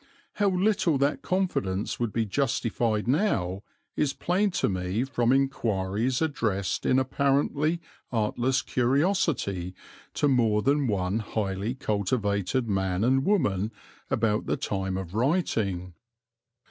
How little that confidence would be justified now is plain to me from inquiries addressed in apparently artless curiosity to more than one highly cultivated man and woman about the time of writing.